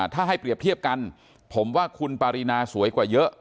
ถ้าให้เปรียบเทียบกันผมว่าคุณปารีนาสวยกว่าเยอะ